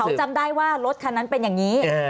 เขาจำได้ว่ารถคันนั้นเป็นอย่างนี้